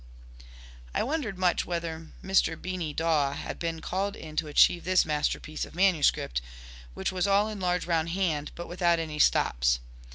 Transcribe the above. I wondered much whether Mr. Beany Dawe had been called in to achieve this masterpiece of manuscript, which was all in large round hand, but without any stops.